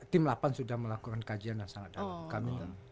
tim delapan sudah melakukan kajian yang sangat dalam